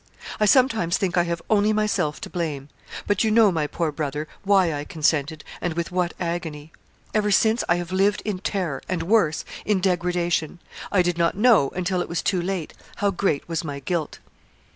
I sometimes think I have only myself to blame. But you know, my poor brother, why I consented, and with what agony. Ever since, I have lived in terror, and worse, in degradation. I did not know, until it was too late, how great was my guilt.